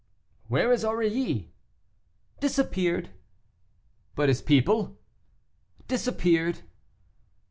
"Where is Aurilly?" "Disappeared." "But his people?" "Disappeared."